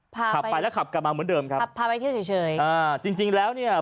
ขับไปแล้วขับกลับมาเหมือนเดิมครับขับพาไปเที่ยวเฉยเฉยอ่าจริงจริงแล้วเนี่ย